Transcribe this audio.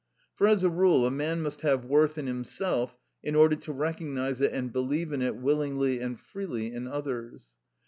For as a rule a man must have worth in himself in order to recognise it and believe in it willingly and freely in others.